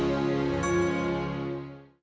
kau mau ngapain